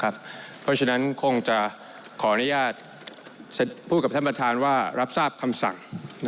เพราะฉะนั้นคงจะขออนุญาตพูดกับท่านประธานว่ารับทราบคำสั่ง